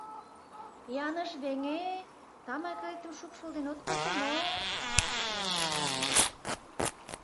— Яныш веҥе-е, тамакетым шупшылден от колто мо-о? — йырымлен ончалеш.